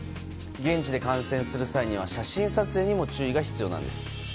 現地で観戦する際には写真撮影にも注意が必要なんです。